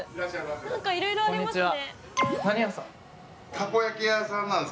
なんか、いろいろありますね。